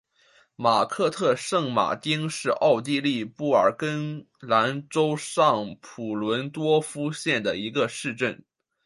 马克特圣马丁是奥地利布尔根兰州上普伦多夫县的一个市镇。